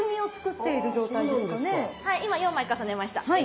はい今４枚重ねました。